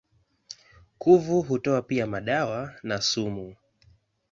Kuvu hutoa pia madawa na sumu.